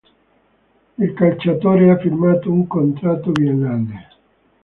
Il calciatore ha firmato un contratto biennale.